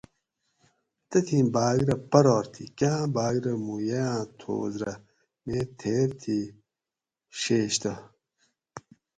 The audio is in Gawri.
تتھیں بھاۤگ رہ پرار تھی کاۤں بھاۤگ رہ موں یئاۤں تھوس رہ میں تھیر تھی ڛیش تہ